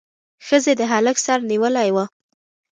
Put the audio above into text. ښځې د هلک سر نیولی و.